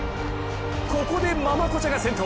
ここでママコチャが先頭。